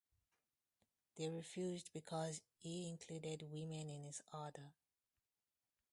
They refused because he included women in his order.